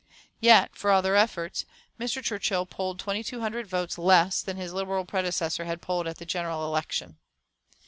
Yet for all their efforts, Mr. Churchill polled 2200 votes less than his Liberal predecessor had polled at the general election.